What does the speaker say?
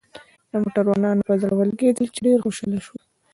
د موټروانانو په زړه ولګېدل، چې ډېر خوشاله شول.